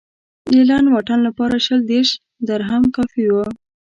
د لنډ واټن لپاره شل دېرش درهم کافي و.